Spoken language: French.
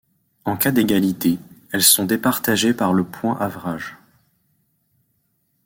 En cas d'égalité, elles sont départagées par le point average.